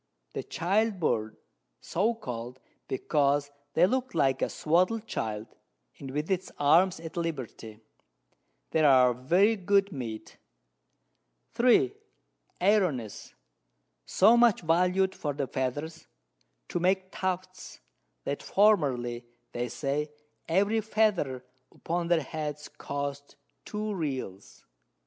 The Child Bird, so call'd, because they look like a swadled Child, with its Arms at Liberty: They are very good Meat. 3. Airones, so much valued for the Feathers, to make Tufts, that formerly, they say, every Feather upon their Heads cost 2 Reals.